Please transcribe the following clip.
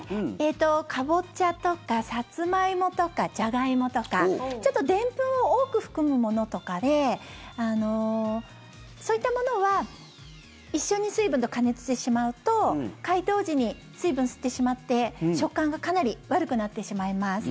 カボチャとかサツマイモとかジャガイモとかちょっとでんぷんを多く含むものとかでそういったものは一緒に水分と加熱してしまうと解凍時に水分吸ってしまって食感がかなり悪くなってしまいます。